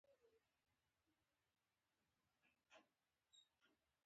د پښتو د ګرامر او نحوې پرمختګ لپاره په ګډه کار کول اړین دي.